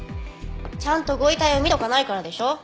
ちゃんとご遺体を見とかないからでしょ。